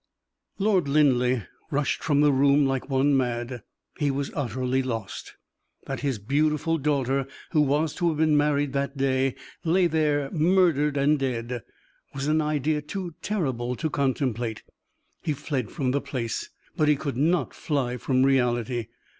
Lord Linleigh rushed from the room like one mad he was utterly lost. That his beautiful daughter, who was to have been married that day, lay there murdered and dead, was an idea too terrible to contemplate. He fled from the place, but he could not fly from reality.